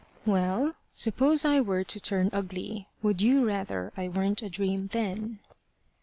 "Well, suppose I were to turn ugly, would you rather I weren't a dream then?"